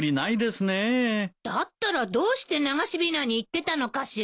だったらどうして流しびなに行ってたのかしら？